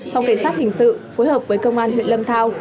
phòng cảnh sát hình sự phối hợp với công an huyện lâm thao